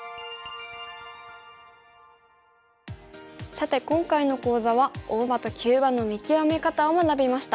さて今回の講座は大場と急場の見極め方を学びました。